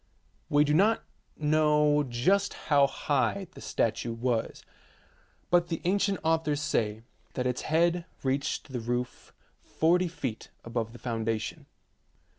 We do not know just how high the statue was, but the ancient authors say that its head reached the roof forty feet above the foundation.